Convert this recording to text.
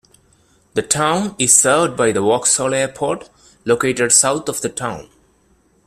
The town is served by the Vauxhall Airport, located south of the town.